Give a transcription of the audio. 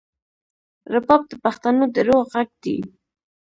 رباب د پښتنو د روح غږ دی.